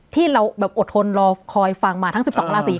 ที่เราแบบอดทนรอคอยฟังมาทั้ง๑๒ราศี